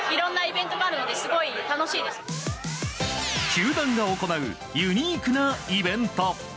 球団が行うユニークなイベント。